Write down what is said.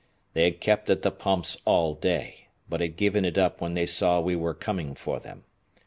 They had kept at the pumps all day, but had given it up when they saw we were coming for them.